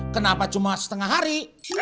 kenapa cuma setengah hari